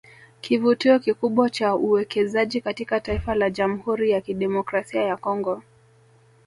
Kivutio kikubwa cha uwekezaji katika taifa la Jamhuri ya kidemokrasia ya Congo